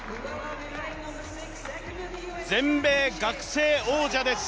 全米学生王者です。